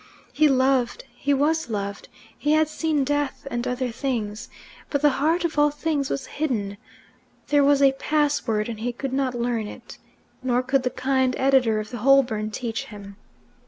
He loved, he was loved, he had seen death and other things; but the heart of all things was hidden. There was a password and he could not learn it, nor could the kind editor of the "Holborn" teach him.